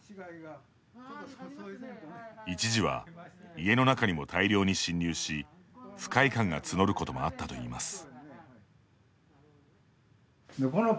一時は家の中にも大量に侵入し不快感が募ることもあったといいます。